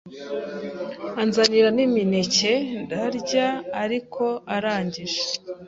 anzanira n’imineke ndarya ariko arangije